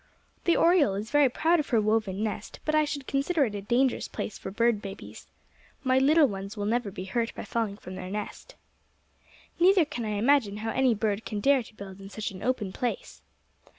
"The oriole is very proud of her woven nest, but I should consider it a dangerous place for bird babies. My little ones will never be hurt by falling from their nest. "Neither can I imagine how any bird can dare to build in such an open place.